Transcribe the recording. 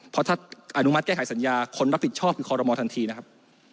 เพราะถ้าอนุมัติแก้ไขสัญญาคนรับผิดชอบคือคอรมอทันทีนะครับ